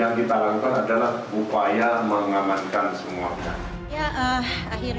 yang kita lakukan adalah upaya mengamankan semua orang